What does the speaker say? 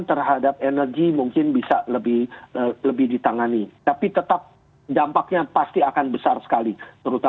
terutama karena karena setelah jalan penjualan energi ter